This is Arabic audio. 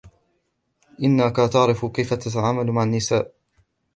إنك تعرف كيف تتعامل مع النساء.